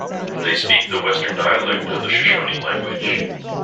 They speak the Western dialect of the Shoshone language.